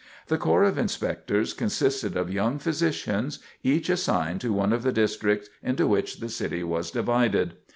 The corps of inspectors consisted of young physicians, each assigned to one of the districts into which the city was divided.